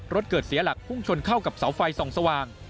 รถเกิดเสียหลักพุ่งชนเข้ากับเสาไฟส่องสว่าง